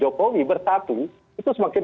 jokowi bersatu itu semakin